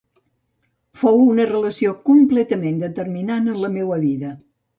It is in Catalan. Fou una relació completament determinant en la meua vida.